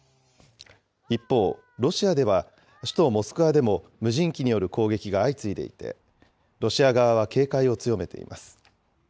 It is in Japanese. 一方、ロシアでは首都モスクワでも無人機による攻撃が相次いでいて、ロシア側は警戒を強めています。